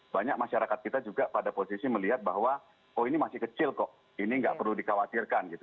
banyak masyarakat kita juga pada posisi melihat bahwa oh ini masih kecil kok ini nggak perlu dikhawatirkan gitu